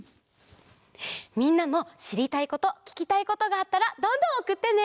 みんなもしりたいことききたいことがあったらどんどんおくってね！